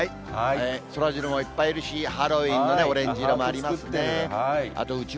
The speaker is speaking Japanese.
そらジローもいっぱいいるし、ハロウィーンのオレンジ色もありますね。